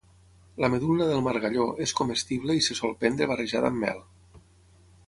La medul·la del margalló és comestible i se sol prendre barrejada amb mel.